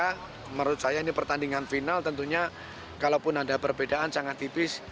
karena menurut saya ini pertandingan final tentunya kalaupun ada perbedaan sangat tipis